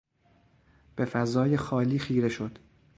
به فضای خالی خیره شد.